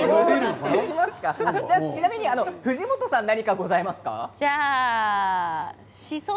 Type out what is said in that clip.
ちなみに藤本さん何かございますか？